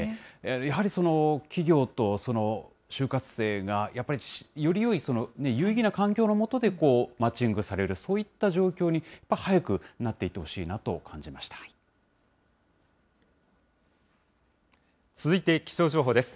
やはり企業とその就活生がやっぱりよりよい、有意義な環境の下でマッチングされる、そういった状況に早くなっ続いて気象情報です。